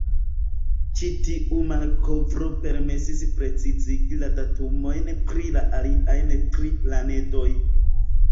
Ĉi tiu malkovro permesis precizigi la datumojn pri la aliaj tri planedoj.